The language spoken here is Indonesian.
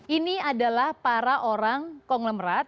ini adalah para orang konglomerat